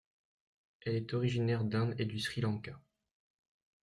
Elle est originaire d'Inde et du Sri Lanka.